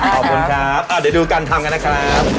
ขอบคุณครับเดี๋ยวดูการทำกันนะครับ